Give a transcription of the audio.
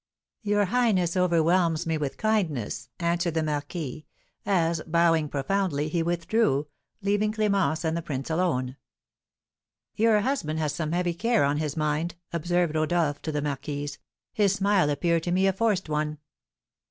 "Your highness overwhelms me with kindness," answered the marquis, as, bowing profoundly, he withdrew, leaving Clémence and the prince alone. "Your husband has some heavy care on his mind," observed Rodolph to the marquise; "his smile appeared to me a forced one."